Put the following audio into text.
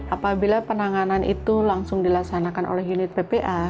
apabila penanganan itu langsung dilaksanakan oleh unit ppa